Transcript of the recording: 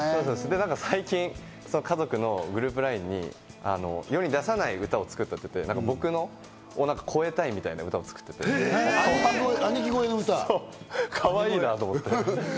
最近、家族のグループＬＩＮＥに世に出さない歌を作ってて、僕を超えたいみたいな歌を作ってて、かわいいなと思って。